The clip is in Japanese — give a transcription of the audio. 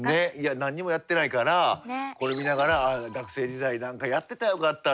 何にもやってないからこれ見ながら学生時代何かやってたらよかったって。